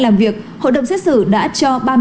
làm việc hội đồng xét xử đã cho